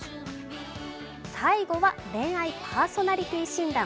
最後は恋愛パーソナリティー診断。